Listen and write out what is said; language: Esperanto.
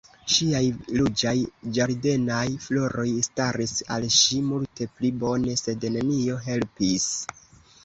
Ŝiaj ruĝaj ĝardenaj floroj staris al ŝi multe pli bone, sed nenio helpis.